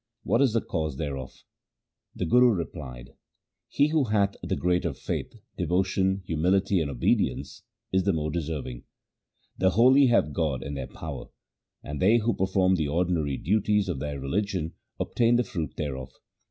What is the cause thereof ?' The Guru replied, ' He who hath the greater faith, devotion, humility, and obedience, is the more deserving. The holy have God in their power, and they who perform the ordinary duties of their religion obtain the fruit thereof.